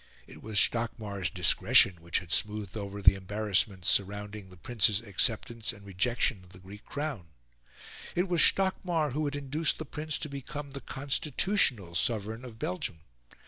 It was Stockmar's discretion which had smoothed over the embarrassments surrounding the Prince's acceptance and rejection of the Greek crown. It was Stockmar who had induced the Prince to become the constitutional Sovereign of Belgium.